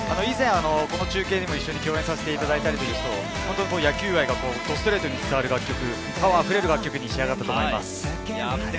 この中継でも共演させていただいたり、野球愛がストレートに伝わるパワーある楽曲に伝わったと思います。